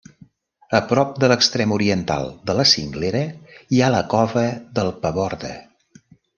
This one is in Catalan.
A prop de l'extrem oriental de la cinglera hi ha la Cova del Paborde.